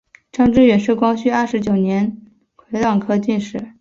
张智远是光绪二十九年癸卯科进士。